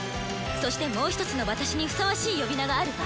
そしてもう一つの私にふさわしい呼び名があるわ。